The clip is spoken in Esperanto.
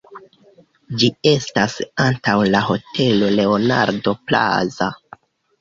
Ĝi estas antaŭ la Hotelo Leonardo Plaza.